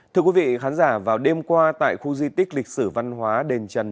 thưa quý vị khán giả vào đêm qua tại khu di tích lịch sử văn hóa đền trần